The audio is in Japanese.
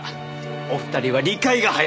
お二人は理解が早い。